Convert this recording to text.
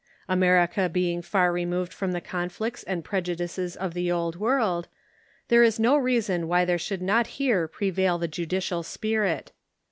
America being far removed from the conflicts and prejudices of the Old World, there is no reason why there should not here prevail the judicial spirit.